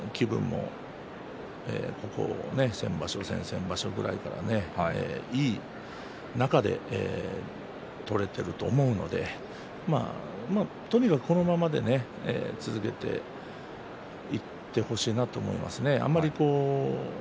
初日勝って気分もここ先場所先々場所からいい中で取れていると思うのでとにかくこのままで続けていってほしいなと思いますね。